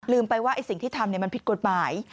ไปว่าสิ่งที่ทำมันผิดกฎหมาย